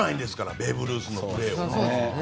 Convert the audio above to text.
ベーブ・ルースのプレーを。